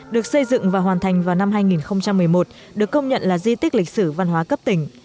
được xây dựng và hoàn thành vào năm hai nghìn một mươi một được công nhận là di tích lịch sử văn hóa cấp tỉnh